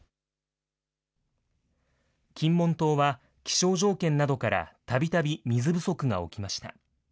金門島は、気象条件などからたびたび水不足が起きました。